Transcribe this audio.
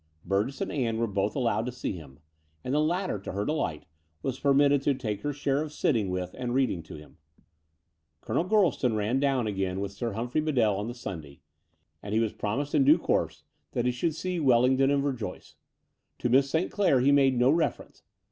Burgess and Aim were both allowed to see him; and the latter, to her delight, was per mitted to take her share of sitting with and reading to him. Colonel Gorleston ran down again with Between London and Clsrmping 175 Sir Htimphrey Bedell on the Sunday : and he was promised in due course that he should see Welling ham and Verjoyce. To Miss St. Clair he made no reference.